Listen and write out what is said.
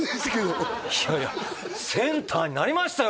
いやいやセンターになりましたよ